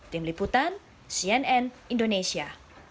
tim liputan cnn indonesia